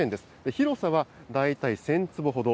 広さは大体１０００坪ほど。